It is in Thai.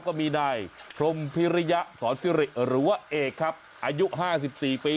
ก็มีนายทรมภิระสอนซิริหรือว่าเอกครับอายุห้าสิบสี่ปี